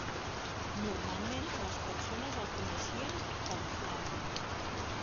Normalment les persones el coneixien com Flandy.